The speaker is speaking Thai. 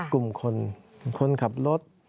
กลุ่มคนขับรถ